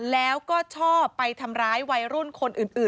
แล้วก็ชอบไปทำร้ายวัยรุ่นคนอื่น